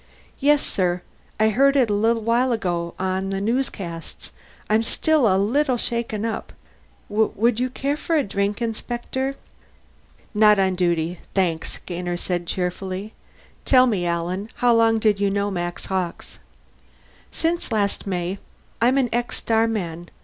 "Y yes, sir. I heard it a little while ago, on the newscasts. I'm still a little shaken up. W would you care for a drink, Inspector?" "Not on duty, thanks," Gainer said cheerfully. "Tell me, Alan how long did you know Max Hawkes?" "Since last May. I'm an ex starman.